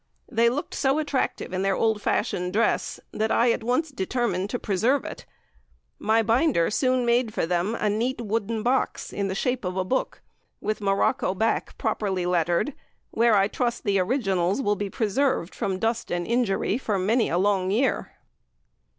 They looked so attractive in their old fashioned dress, that I at once determined to preserve it. My binder soon made for them a neat wooden box in the shape of a book, with morocco back properly lettered, where I trust the originals will be preserved from dust and injury for many a long year.